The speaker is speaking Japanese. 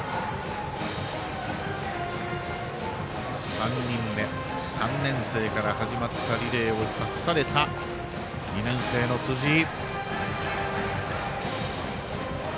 ３人目、３年生から始まったリレーを託された２年生の辻井。